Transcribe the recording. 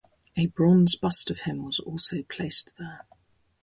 A bronze bust of him was also placed there.